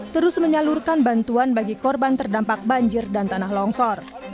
terus menyalurkan bantuan bagi korban terdampak banjir dan tanah longsor